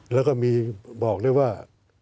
แล้วก็บอกได้ว่า